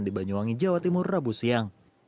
di banyuwangi jawa timur rabu siang